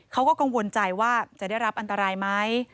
เขาก็กังวลใจว่าจะได้รับอันตรายไหม